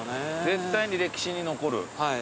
絶対に歴史に残る。